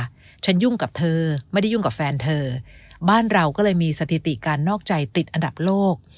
ฉันยุ่งกับเธอไม่ได้ยุ่งกับแฟนเธอบ้านเราก็เลยมีสถิติการนอกใจติดอันดับโลก